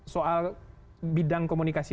soal bidang komunikasi